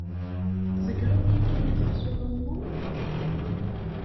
Tzegreḍ yakkan asif s uɛumu?